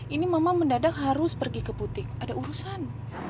ini mama mendadak harus pergi ke putih ada urusan